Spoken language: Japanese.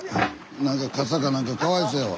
なんか傘か何かかわいそうやわ。